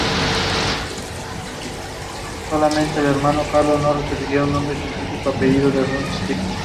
Belle Vue is centrally located in Kolkata.